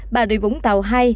bến tre bốn